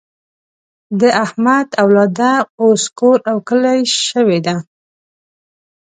د احمد اولاده اوس کور او کلی شوې ده.